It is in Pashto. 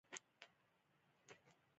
آیا مشهد د امام رضا زیارت نه دی؟